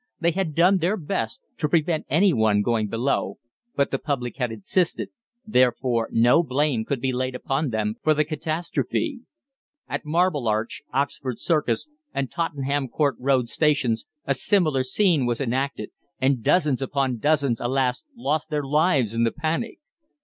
They had done their best to prevent any one going below, but the public had insisted, therefore no blame could be laid upon them for the catastrophe. At Marble Arch, Oxford Circus, and Tottenham Court Road Stations, a similar scene was enacted, and dozens upon dozens, alas! lost their lives in the panic.